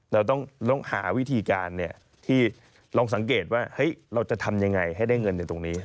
เราต้องหาวิธีการที่ลองสังเกตว่าเราจะทำยังไงให้ได้เงินในตรงนี้